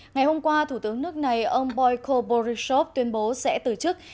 ngày hôm qua thủ tướng nước này ông boyko borisov tuyên bố sẽ từ chức